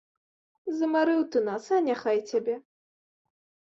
Замарыў ты нас, а няхай цябе!